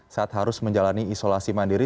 saat harus menjalani isolasi mandiri